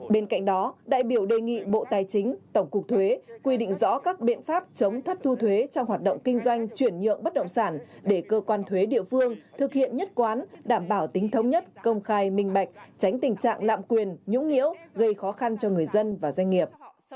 bên cạnh đó đại biểu đề nghị bộ tài chính tổng cục thuế quy định rõ các biện pháp chống thất thu thuế trong hoạt động kinh doanh chuyển nhượng bất động sản để cơ quan thuế địa phương thực hiện nhất quán đảm bảo tính thống nhất công khai minh bạch tránh tình trạng lạm quyền nhũng nhiễu gây khó khăn cho người dân và doanh nghiệp